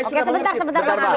oke sebentar sebentar